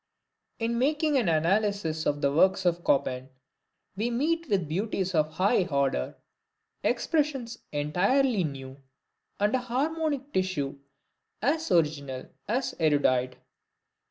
In making an analysis of the works of Chopin, we meet with beauties of a high order, expressions entirely new, and a harmonic tissue as original as erudite.